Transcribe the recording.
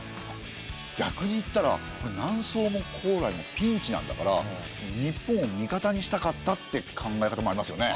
逆にいったら南宋も高麗もピンチなんだから日本を味方にしたかったって考え方もありますよね。